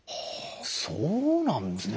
そうなんですね。